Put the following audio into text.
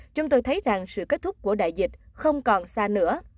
chúng tôi thấy rằng sự kết thúc của đại dịch không còn xa nữa